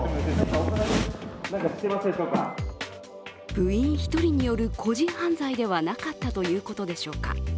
部員１人による個人犯罪ではなかったということでしょうか。